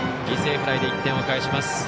犠牲フライで１点を返します。